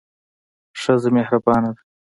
ښځه مهربانه ده.